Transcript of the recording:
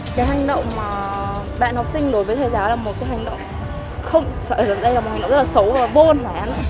cái hành động mà bạn học sinh đối với thầy giáo là một cái hành động không sợ dần dây là một hành động rất là xấu và vô lãng